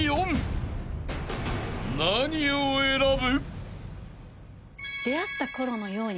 ［何を選ぶ？］